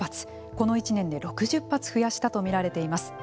この１年で６０発増やしたと見られています。